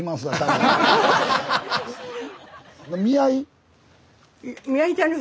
見合い？